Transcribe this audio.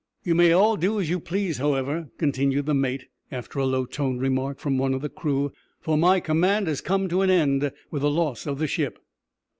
"You may all do as you please, however," continued the mate, after a low toned remark from one of the crew, "for my command has come to an end with the loss of the ship."